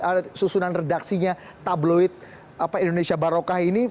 ada susunan redaksinya tabloid indonesia barokah ini